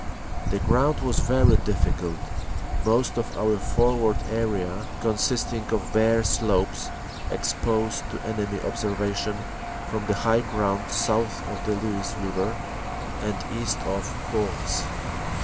The ground was very difficult, most of our forward area consisting of bare slopes exposed to enemy observation from the high ground south of the Luce River and east of Hourges.